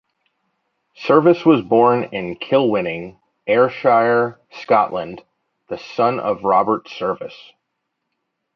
Service was born in Kilwinning, Ayrshire, Scotland, the son of Robert Service.